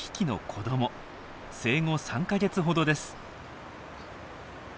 生後３か月ほどです。